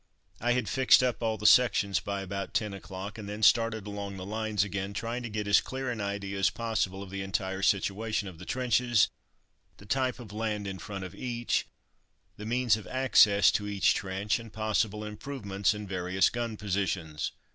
I had fixed up all the sections by about ten o'clock and then started along the lines again trying to get as clear an idea as possible of the entire situation of the trenches, the type of land in front of each, the means of access to each trench, and possible improvements in the various gun positions.